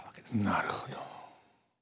なるほど。